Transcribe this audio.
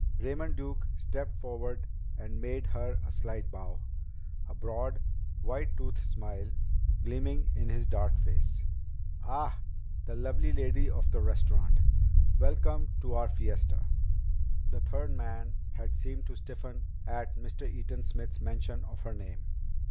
Raymond Duke stepped forward and made her a slight bow, a broad white toothed smile gleaming in his dark face. "Ah! The lovely lady of the restaurant! Welcome to our fiesta!" The third man had seemed to stiffen at Mr. Eaton Smith's mention of her name.